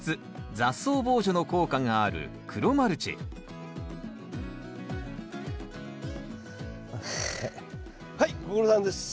雑草防除の効果がある黒マルチはいご苦労さんです。